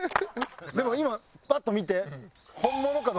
でも今パッと見て？